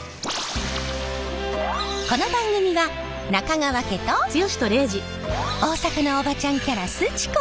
この番組は中川家と大阪のおばちゃんキャラすち子が